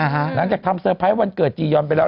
หลังจากทำเซอร์ไพรส์วันเกิดจียอนไปแล้ว